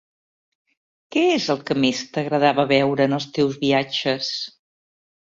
Què és el que més t'agradava veure en els teus viatges?